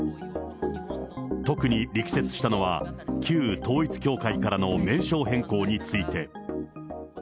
特に力説したのは、旧統一教会からの名称変更について。